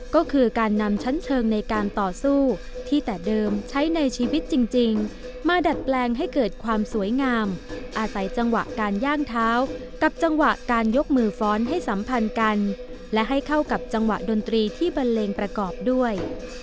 ก็คือการนำชั้นเชิงในการต่อสู้ที่แต่เดิมใช้ในชีวิตจริงมาดัดแปลงให้เกิดความสวยงามอาศัยจังหวะการย่างเท้ากับจังหวะการยกมือฟ้อนให้สัมพันธ์กันและให้เข้ากับจังหวะดนตรีที่บันเลงประกอบด้วย